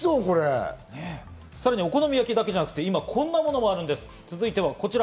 さらにお好み焼きだけじゃなくて、こんなものもあるんです。